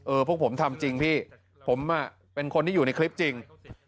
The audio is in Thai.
พวกผมทำจริงพี่ผมเป็นคนที่อยู่ในคลิปจริง